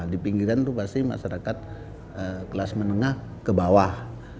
di pinggiran itu pasti masyarakat kelas menengah ke bawah